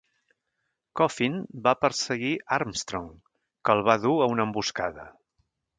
Coffin va perseguir Armstrong, que el va dur a una emboscada.